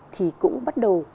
thì cũng bắt đầu